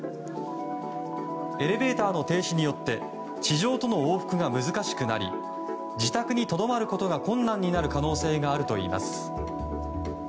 エレベーターの停止によって地上との往復が難しくなり自宅にとどまることが困難になる可能性があるといいます。